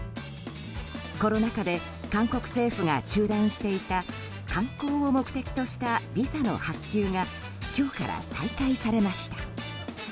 コロナ禍で韓国政府が中断していた観光を目的としたビザの発給が今日から再開されました。